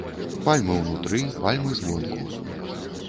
Пальмы ўнутры, пальмы звонку.